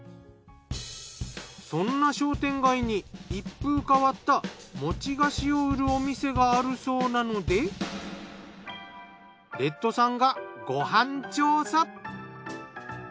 そんな商店街に一風変わった餅菓子を売るお店があるそうなのでレッドさんがご飯調査。